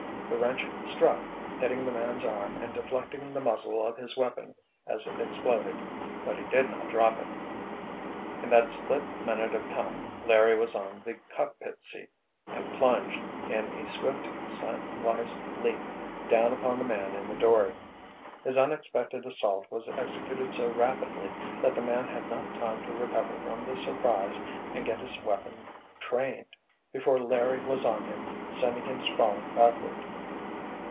The wrench struck, hitting the man's arm and deflecting the muzzle of his weapon as it exploded—but he did not drop it. In that split minute of time Larry was on the cockpit seat—and plunged, in a swift, slantwise leap, down upon the man in the dory. His unexpected assault was executed so rapidly that the man had not time to recover from the surprise and get his weapon trained, before Larry was on him, sending him sprawling backward.